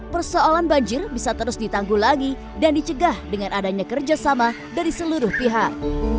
persoalan banjir bisa terus ditangguh lagi dan dicegah dengan adanya kerjasama dari seluruh pihak